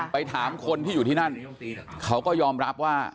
ไปถามคนที่อยู่ที่นั่นเขาก็ยอมรับว่า